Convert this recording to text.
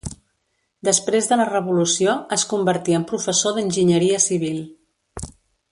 Després de la revolució, es convertí en professor d'enginyeria civil.